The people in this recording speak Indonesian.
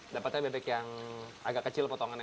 dapatnya bebek yang agak kecil potongannya